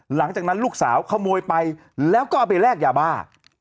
หลังจากนั้นลูกสาวขโมยไปแล้วก็เอาไปแลกยาบ้า